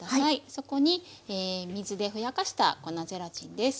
そこに水でふやかした粉ゼラチンです。